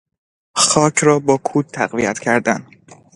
خاک را با کود تقویت کردن